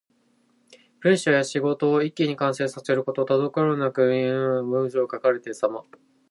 文章や仕事を一気に完成させること。滞ることなく流暢に文章が書かれているさま。また、物事を中断せずに、ひと息に大急ぎで仕上げること。